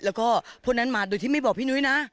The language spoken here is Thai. แล้วก็พวกนั้นมาโดยที่ไม่บอกพี่นุ้ยนะ